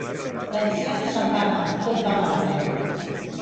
D'ensians se'n va anar, tot va malament.